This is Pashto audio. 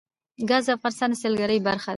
ګاز د افغانستان د سیلګرۍ برخه ده.